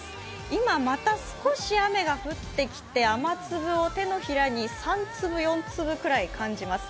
今また少し雨が降ってきて、雨粒を手のひらに３粒、４粒くらい感じます。